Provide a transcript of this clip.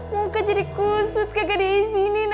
muka jadi kusut kagak di izinin